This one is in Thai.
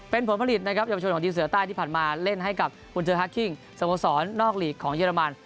เป็นผลผลิตนะครับเยาวชนของทีมเสือใต้ที่ผ่านมาเล่นให้กับฮุนเจอร์ฮักคิ้งสโมสรนอกหลีกของเยอรมัน